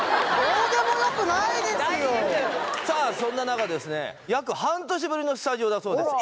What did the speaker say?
さあそんな中ですね約半年ぶりのスタジオだそうです